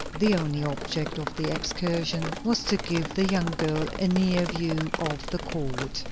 The only object of the excursion was to give the young girl a near view of the court.